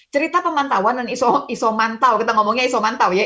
cerita pemantauan dan isomantau kita ngomongnya isomantau ya